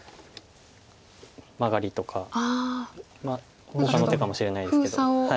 マガリとかほかの手かもしれないですけど。